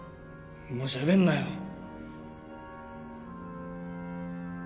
もうしゃべんなよ